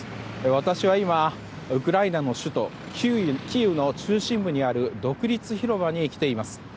私は今、ウクライナの首都キーウの中心部にある独立広場に来ています。